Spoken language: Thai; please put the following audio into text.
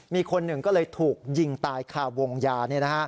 มีคนหนึ่งก็เลยถูกยิงตายคาวงยา